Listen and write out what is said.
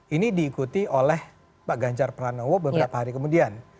ini diikuti oleh pak ganjar pranowo beberapa hari kemudian